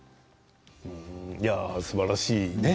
すばらしいですね